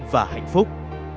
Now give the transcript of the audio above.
và hạnh phúc